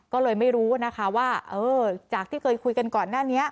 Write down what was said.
ก็เลยไม่รู้นะคะว่าเออจากที่เคยคุยกันก่อนหน้านี้